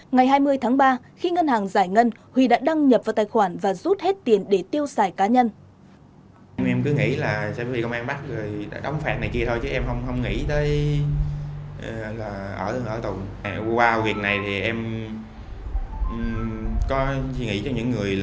ngày hai mươi tháng ba khi ngân hàng giải ngân huy đã đăng nhập vào tài khoản và rút hết tiền để tiêu xài cá nhân